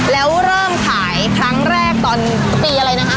แล้วเริ่มขายครั้งแรกตอนปีอะไรนะคะ